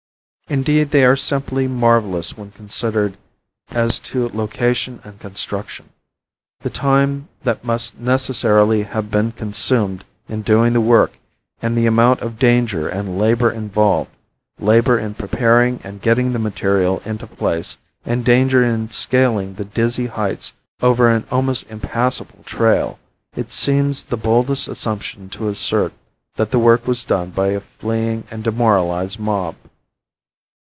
Indeed, they are simply marvelous when considered as to location and construction. The time that must necessarily have been consumed in doing the work and the amount of danger and labor involved labor in preparing and getting the material into place and danger in scaling the dizzy heights over an almost impassible trail, it seems the boldest assumption to assert that the work was done by a fleeing and demoralized mob.